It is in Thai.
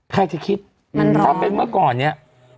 ใครจะคิดถ้าเป็นเมื่อก่อนเนี่ย